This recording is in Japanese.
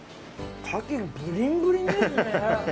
カキ、プリンプリンですね。